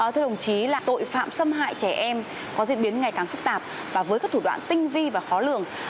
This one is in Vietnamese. thưa đồng chí là tội phạm xâm hại trẻ em có diễn biến ngày càng phức tạp và với các thủ đoạn tinh vi và khó lường